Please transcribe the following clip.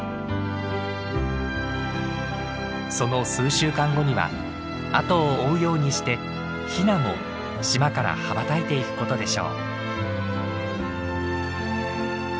その数週間後には後を追うようにしてヒナも島から羽ばたいていくことでしょう。